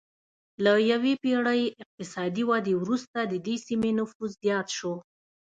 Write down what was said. له یوې پېړۍ اقتصادي ودې وروسته د دې سیمې نفوس زیات شو